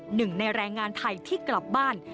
หนึ่งในแรงงานไทยที่กลับบ้าน